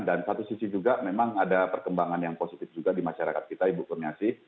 dan satu sisi juga memang ada perkembangan yang positif juga di masyarakat kita ibu kurniasi